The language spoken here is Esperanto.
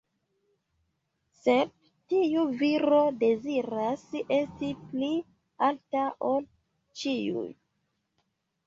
Sed tiu viro deziras esti pli alta ol ĉiuj.